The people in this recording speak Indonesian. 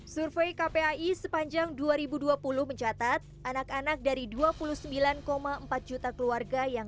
survei kpai sepanjang dua ribu dua puluh mencatat anak anak dari dua puluh sembilan empat juta keluarga yang